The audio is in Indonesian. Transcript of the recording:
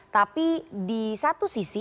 tapi di satu sisi